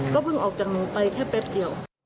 ก็พึ่งออกจากนึงไปแค่แป๊บเดียว